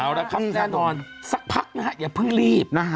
เอาละครับแน่นอนสักพักนะฮะอย่าเพิ่งรีบนะฮะ